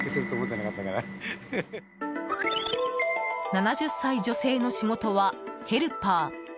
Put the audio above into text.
７０歳女性の仕事はヘルパー。